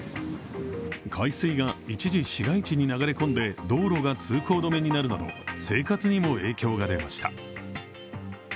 海水が一時、市街地に流れ込んで道路が通行止めになるなど、生活にも影響が出ました。